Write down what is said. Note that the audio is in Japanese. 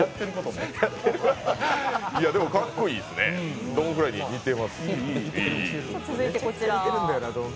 でもかっこいいっすね、ドン・フライに似てます。